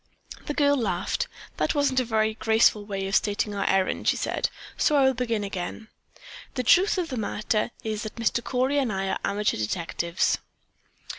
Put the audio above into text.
The girl laughed. "That wasn't a very graceful way of stating our errand," she said, "so I will begin again. The truth of the matter is that Mr. Cory and I are amateur detectives."